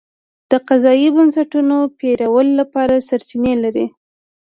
د قضایي بنسټونو پېرلو لپاره سرچینې لري.